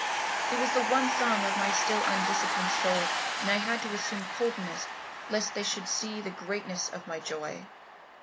It was the one song of my still undisciplined soul, and I had to assume coldness lest they should see the greatness of my joy.